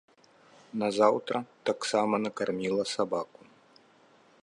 Назаўтра таксама накарміла сабаку.